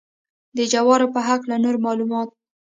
د جوارو په هکله نور معلومات.